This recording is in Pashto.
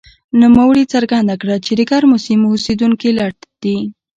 نوموړي څرګنده کړه چې د ګرمو سیمو اوسېدونکي لټ دي.